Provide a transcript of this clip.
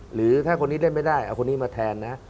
หรือถ้าคนนี้ได้ไม่ได้เอาคนนี้มาแทนนะ